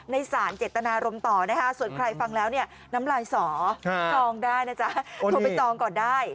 ในสารเจตนารมณ์ต่อนะคะส่วนใครฟังแล้วเนี่ยน้ำลายสอจองได้นะจ๊ะโทรไปจองก่อนได้